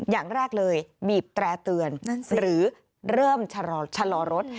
อย่างแรกเลยบีบแตร่เตือนหรือเริ่มชะลอรถ